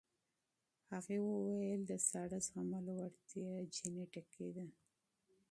هغې وویل د ساړه زغملو وړتیا جینیټیکي ده.